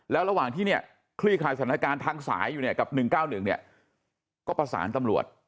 แล้วระหว่างที่เนี่ยคลี่คลายสถานการณ์ทางสายอยู่เนี่ยกับ๑๙๑เนี่ยก็ประสานตำรวจ